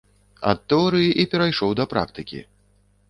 Ад тэорыі і перайшоў да практыкі.